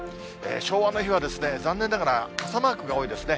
昭和の日は残念ながら傘マークが多いですね。